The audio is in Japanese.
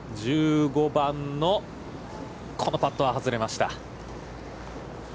１５番のこのパットは外れました。